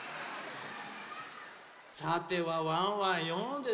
さてはワンワンよんでないな。